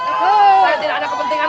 saya tidak ada kepentingan